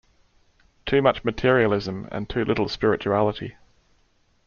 Too much materialism and too little spirituality.